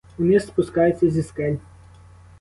Униз спускається зі скель.